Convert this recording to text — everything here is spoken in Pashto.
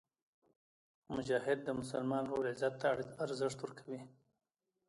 مجاهد د مسلمان ورور عزت ته ارزښت ورکوي.